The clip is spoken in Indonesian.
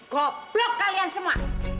koplo kalian semua